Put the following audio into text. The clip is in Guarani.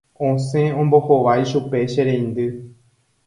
Osẽ ombohovái chupe che reindy